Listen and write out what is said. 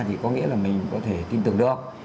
thì có nghĩa là mình có thể tin tưởng được